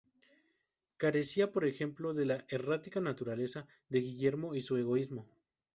Carecía, por ejemplo, de la errática naturaleza de Guillermo y de su egoísmo.